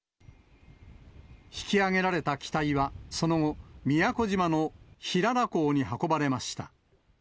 引き揚げられた機体はその後、宮古島の平良港に運ばれました。